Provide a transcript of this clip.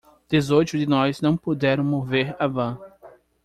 Dezoito de nós não puderam mover a van.